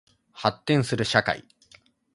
発展する社会